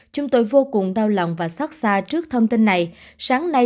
chúng tôi vô cùng đau lòng và xót xa trước thông tin này